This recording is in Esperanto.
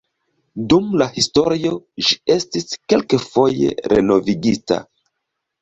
Dum la historio ĝi estis kelkfoje renovigita.